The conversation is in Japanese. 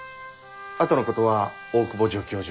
あとのことは大窪助教授